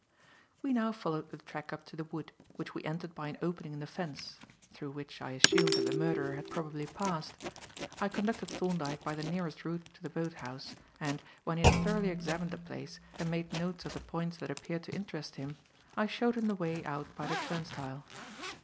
We now followed the track up to the wood, which we entered by an opening in the fence, through which I assumed that the murderer had probably passed. I conducted Thorndyke by the nearest route to the boat house, and, when he had thoroughly examined the place and made notes of the points that appeared to interest him, I showed him the way out by the turnstile.